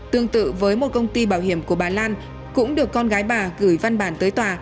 tương tự với một công ty bảo hiểm của bà lan cũng được con gái bà gửi văn bản tới tòa